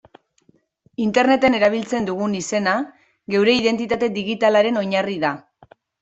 Interneten erabiltzen dugun izena geure identitate digitalaren oinarri da.